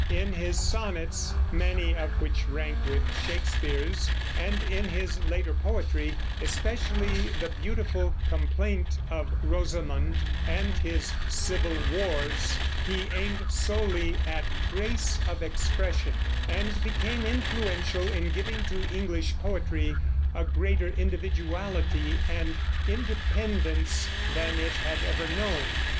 In his sonnets, many of which rank with Shakespeare's, and in his later poetry, especially the beautiful "Complaint of Rosamond" and his "Civil Wars," he aimed solely at grace of expression, and became influential in giving to English poetry a greater individuality and independence than it had ever known.